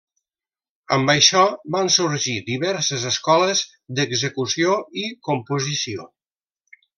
Amb això van sorgir diverses escoles d'execució i composició.